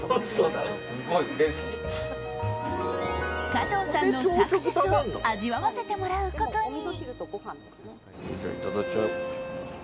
加藤さんのサクセスを味わわせてもらうことに。